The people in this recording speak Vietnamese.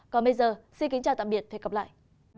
còn bây giờ xin kính chào tạm biệt và hẹn gặp lại